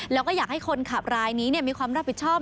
แล้วก็อยากให้คนขับรายนี้มีความรับผิดชอบ